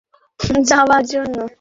শুধু তোমার সাথে নাচে যাওয়ার জন্য।